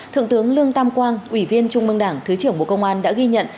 thượng tướng lương tam quang ủy viên trung mương đảng thứ trưởng bộ công an đã ghi nhận